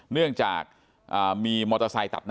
สวัสดีครับทุกคน